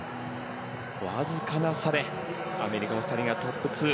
わずかな差でアメリカの２人がトップツー。